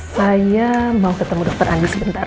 saya mau ketemu dokter andi sebentar